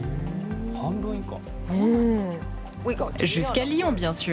半分以下？